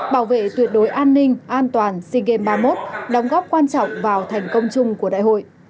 bảo vệ tuyệt đối an ninh an toàn sea games ba mươi một đóng góp quan trọng vào thành công chung của đại hội